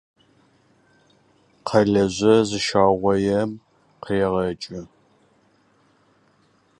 Замок складки, по определению, предоставляет полиряд.